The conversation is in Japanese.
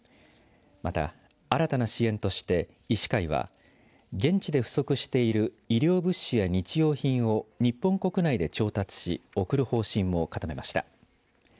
また、新たな支援として医師会は現地で不足している医療物資や日用品を日本国内で調達し送る方針を固めました。